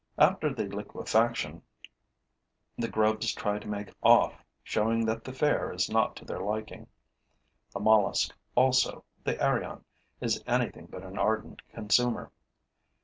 After the liquefaction, the grubs try to make off, showing that the fare is not to their liking. The Mollusk also, the Arion, is anything but an ardent consumer.